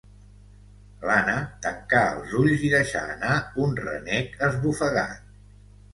L'Anna tancà els ulls i deixà anar un renec esbufegat.